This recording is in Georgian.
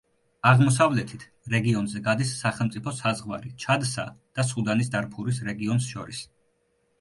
აღმოსავლეთით რეგიონზე გადის სახელმწიფო საზღვარი ჩადსა და სუდანის დარფურის რეგიონს შორის.